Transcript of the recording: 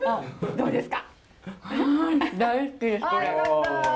どうですか？